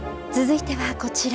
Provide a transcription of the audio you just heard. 続いてはこちら。